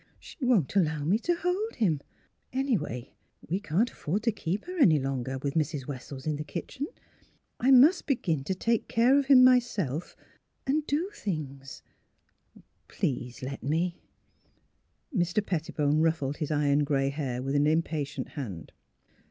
She won't allow me to hold him. ... Anyway, we can't afford to keep her any longer, with Mrs. Wessells in the kitchen. I must begin to take NEIGHBORS 67 care of him myself, and and do things. Please let me!" Mr. Pettibone ruffled his iron gray hair with an impatient hand.